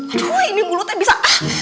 aduh ini mulutnya bisa